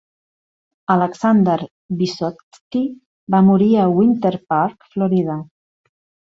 Alexander Vyssotsky va morir a Winter Park, Florida.